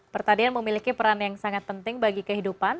pertanian memiliki peran yang sangat penting bagi kehidupan